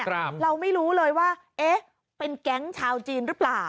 เราไม่รู้เลยว่าเอ๊ะเป็นแก๊งชาวจีนหรือเปล่า